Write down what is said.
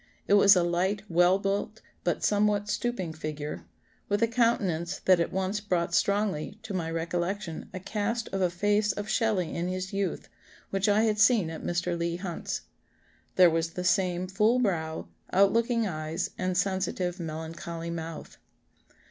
It was a light, well built, but somewhat stooping figure, with a countenance that at once brought strongly to my recollection a cast of a face of Shelley in his youth, which I had seen at Mr. Leigh Hunt's. There was the same full brow, out looking eyes, and sensitive melancholy mouth."